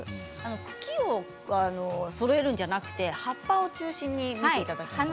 茎をそろえるんじゃなくて葉っぱを中心にするんですね。